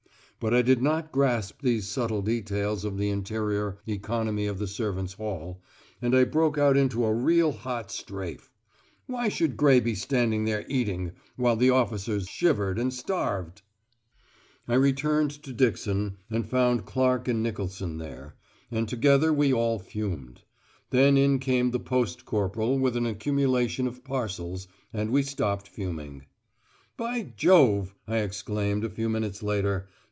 But I did not grasp these subtle details of the interior economy of the servants' hall, and I broke out into a real hot strafe. Why should Gray be standing there eating, while the officers shivered and starved? I returned to Dixon, and found Clark and Nicolson there; and together we all fumed. Then in came the post corporal with an accumulation of parcels, and we stopped fuming. "By Jove," I exclaimed, a few minutes later.